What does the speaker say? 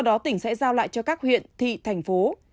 đó tỉnh sẽ giao lại cho các huyện thị thành phố